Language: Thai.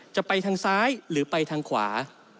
จะไปทางซ้ายหรือไปทางขวา